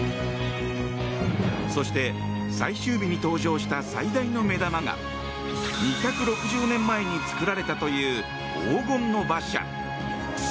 そして最終日に登場した最大の目玉が２６０年前に作られたという黄金の馬車。